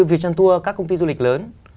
viettel tour các công ty du lịch lớn